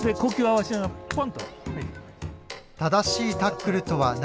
正しいタックルとは何か。